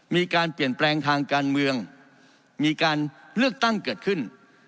มีการเปลี่ยนแปลงทางการเมืองมีการเลือกตั้งเกิดขึ้น